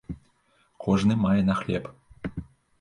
Кожны мае на хлеб.